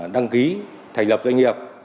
đăng ký thành lập doanh nghiệp